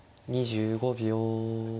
２５秒。